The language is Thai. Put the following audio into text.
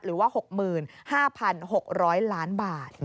หรือว่า๖๕๖๐๐ล้านบาท